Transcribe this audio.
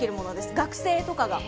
学生とかが。